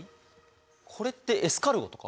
これってエスカルゴとか？